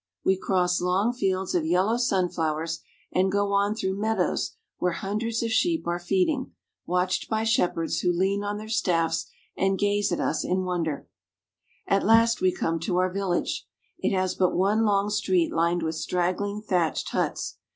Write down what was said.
We cross long fields of yellow sunflowers, and go on through meadows THE RUSSIAN PEASANTS. 323 rs where hundreds of sheep are feeding, watched by shepherds who lean on their staffs and gaze at us in wonder. At last we come to our village. It has but one long street lined with straggling thatched huts.